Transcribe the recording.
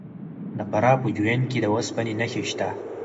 د فراه په جوین کې د وسپنې نښې شته.